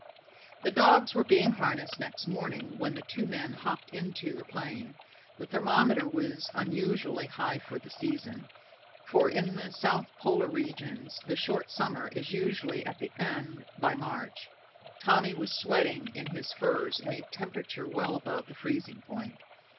The dogs were being harnessed next morning when the two men hopped into the plane. The thermometer was unusually high for the season, for in the south polar regions the short summer is usually at an end by March. Tommy was sweating in his furs in a temperature well above the freezing point.